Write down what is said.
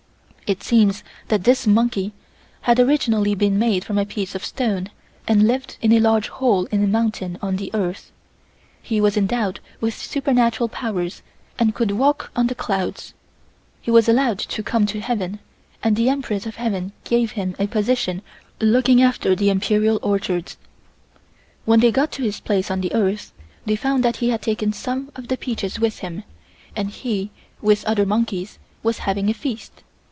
It seems that this monkey had originally been made from a piece of stone and lived in a large hole in a mountain on the earth. He was endowed with supernatural powers and could walk on the clouds. He was allowed to come to heaven and the Empress of Heaven gave him a position looking after the Imperial orchards. When they got to his place on the earth, they found that he had taken some of the peaches with him and he, with other monkeys, was having a feast.